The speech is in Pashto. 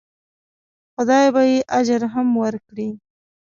خدای به یې اجر هم ورکړي.